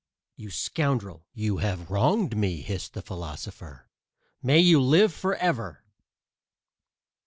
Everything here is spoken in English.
"You scoundrel, you have wronged me," hissed the philosopher. "May you live forever!"